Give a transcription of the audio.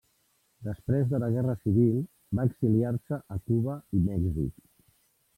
Després de la Guerra Civil va exiliar-se a Cuba i Mèxic.